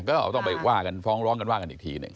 ก็ต้องไปว่ากันฟ้องร้องกันว่ากันอีกทีหนึ่ง